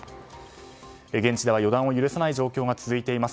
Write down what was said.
現地では予断を許さない状況が続いています。